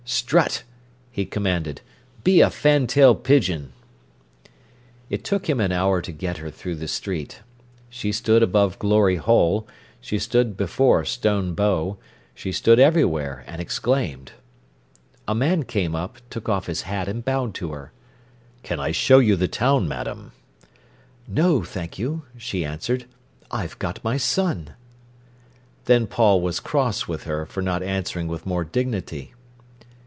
"Strut!" he commanded. "Be a fantail pigeon." It took him an hour to get her through the street. She stood above Glory Hole, she stood before Stone Bow, she stood everywhere, and exclaimed. A man came up, took off his hat, and bowed to her. "Can I show you the town, madam?" "No, thank you," she answered. "I've got my son." Then Paul was cross with her for not answering with more dignity.